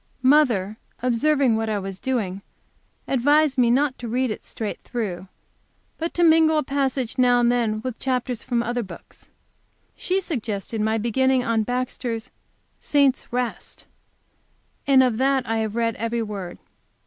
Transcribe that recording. Mother, observing what I was doing, advised me to read it straight through, but to mingle a passage now and then with chapters from other books. She suggested my beginning on Baxter's "Saints' Rest," and of that I have read every word.